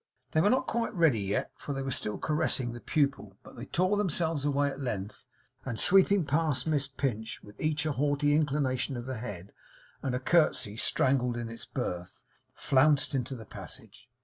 They were not quite ready yet, for they were still caressing the pupil. But they tore themselves away at length; and sweeping past Miss Pinch with each a haughty inclination of the head and a curtsey strangled in its birth, flounced into the passage.